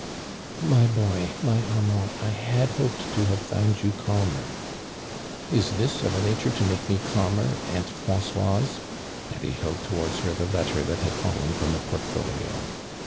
" My boy, my Amiand, I had hoped to have found you calmer !" <'Is this of a nature to make me calmer, Aunt Francoise ?" and he held towards her the letter that had fallen from the portfolio.